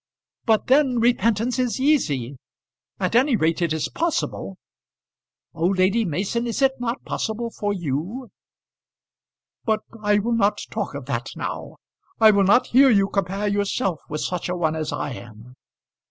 "But then repentance is easy; at any rate it is possible." "Oh, Lady Mason, is it not possible for you?" "But I will not talk of that now. I will not hear you compare yourself with such a one as I am.